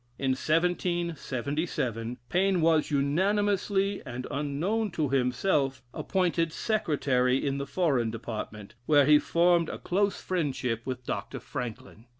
In 1777 Paine was unanimously, and unknown to himself, appointed Secretary in the Foreign Department, where he formed a close friendship with Dr. Franklin.